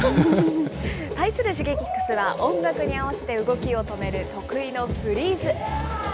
対するＳｈｉｇｅｋｉｘは、音楽に合わせて動きを止める、得意のフリーズ。